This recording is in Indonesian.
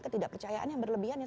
ketidakpercayaan yang berlebihan yang